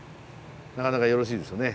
なかなかよろしいですね。